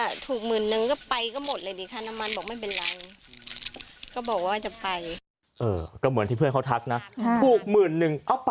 อาชีพปกติแล้วก็ทำซูชิขายครับ